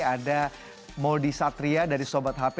ada modi satria dari sobat hp